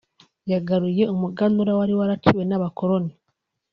yagaruye umuganura wari waraciwe n’abakoloni